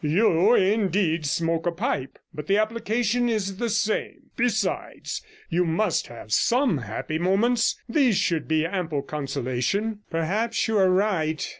You, indeed, smoke a pipe, but the application is the same. Besides, you must have some happy moments; and these should be ample consolation.' 'Perhaps you are right.